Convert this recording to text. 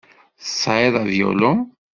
Tesεiḍ avyulu?